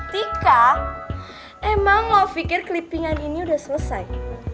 tika emang lo pikir kelipingan ini udah selesai